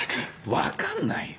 分かんないよ。